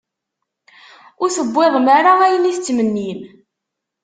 Ur tewwiḍem ara ayen i tettmennim?